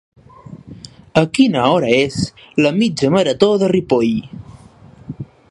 A quina hora és la "Mitja Marató de Ripoll"?